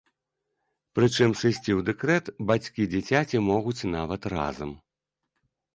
Прычым сысці ў дэкрэт бацькі дзіцяці могуць нават разам.